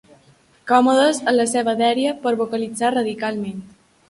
Còmodes en la seva dèria per vocalitzar radicalment.